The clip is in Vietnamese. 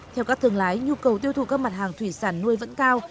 theo các thương lái nhu cầu tiêu thụ các mặt hàng thủy sản nuôi vẫn cao